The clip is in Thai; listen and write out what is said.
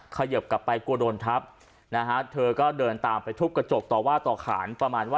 เขยิบกลับไปกลัวโดนทับนะฮะเธอก็เดินตามไปทุบกระจกต่อว่าต่อขานประมาณว่า